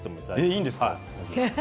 いいんですか。